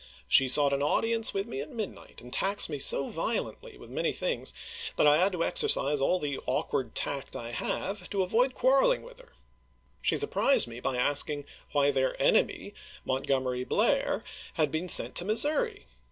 She sought an audience with me at midnight, and taxed me so violently with many things that I had to exercise all the awkward tact I have to avoid quarreling with her. She surprised me by asking why their enemy, Montgomery Blair, had been sent to Missouri.